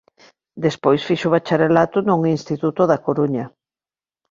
Despois fixo o bacharelato nun instituto da Coruña.